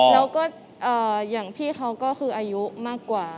แล้วก็อย่างพี่เขาก็คืออายุมากกว่า